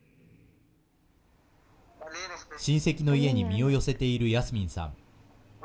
親戚の家に身を寄せているヤスミンさん。